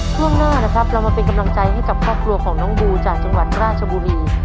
ช่วงหน้านะครับเรามาเป็นกำลังใจให้กับครอบครัวของน้องบูจากจังหวัดราชบุรี